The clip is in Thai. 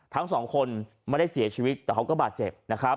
ทั้งสองคนไม่ได้เสียชีวิตแต่เขาก็บาดเจ็บนะครับ